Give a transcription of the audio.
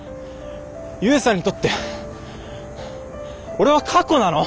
悠さんにとって俺は過去なの？